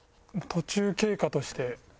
途中経過として。